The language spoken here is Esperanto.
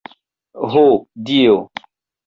Ho, Dio!